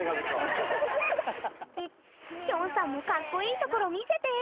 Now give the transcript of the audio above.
きょんさんもカッコイイところ見せて！